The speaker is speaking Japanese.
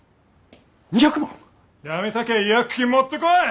やめたきゃ違約金持ってこい！